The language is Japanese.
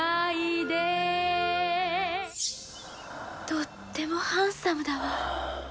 「とってもハンサムだわ」